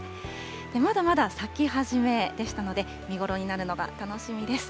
まだまだ咲き始めでしたので、見頃になるのが楽しみです。